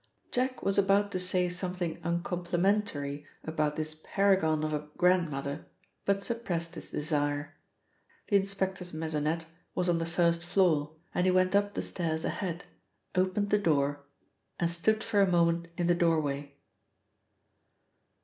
Jack was about to say something uncomplimentary about this paragon of a grandmother, but suppressed his desire. The inspector's maisonette was on the first floor, and he went up the stairs ahead, opened the door and stood for a moment in the doorway.